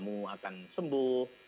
minum jamu akan sembuh